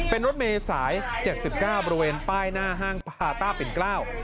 เป็นรถเมย์สาย๗๙บริเวณป้ายหน้าห้างพาต้าปิ่นเกล้า